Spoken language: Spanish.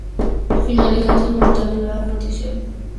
Su finalidad es aumentar la protección contra la discriminación.